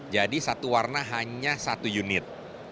jadi satu warna hanya satu unit